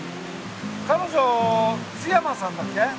彼女津山さんだっけ？